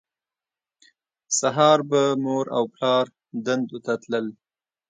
سهار به مور او پلار دندو ته تلل